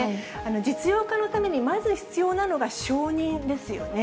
実用化のためにまず必要なのが承認ですよね。